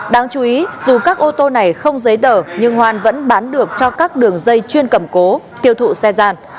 đáng chú ý dù các ô tô này không giấy tờ nhưng hoàn vẫn bán được cho các đường dây chuyên cầm cố tiêu thụ xe gian